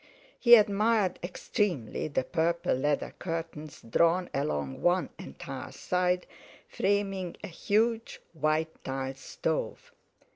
He admired extremely the purple leather curtains drawn along one entire side, framing a huge white tiled stove.